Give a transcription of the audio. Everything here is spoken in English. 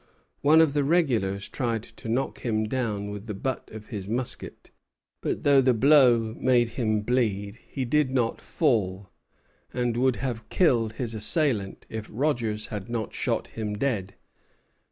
One of the regulars tried to knock him down with the butt of his musket; but though the blow made him bleed, he did not fall, and would have killed his assailant if Rogers had not shot him dead.